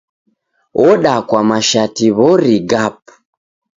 Odakwa mashati w'ori gapu!